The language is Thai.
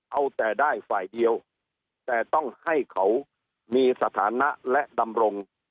เอาแต่ได้ฝ่ายเดียวแต่ต้องให้เขามีสถานะและดำรง